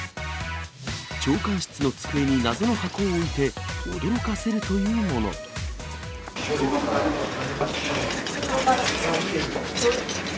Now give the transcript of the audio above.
長官室の机に謎の箱を置いて、驚かせるというもの。来た来た来た来た。